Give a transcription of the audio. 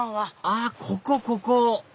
あここここ！